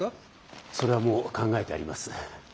それはもう考えてあります。